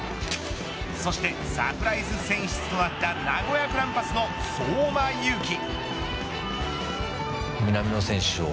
そしてサプライズ選出となった名古屋グランパスの相馬勇紀。